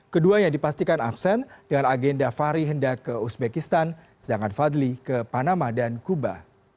keduanya dipastikan absen dengan agenda fahri hendak ke uzbekistan sedangkan fadli ke panama dan kuba